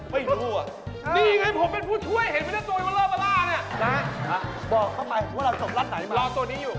ผ้ากุ้งไงใครว่าผ้ากุ้งไง